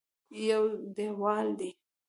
یو دېوال دی.